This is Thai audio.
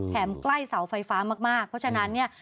ใกล้เสาไฟฟ้ามากเพราะฉะนั้นเนี่ย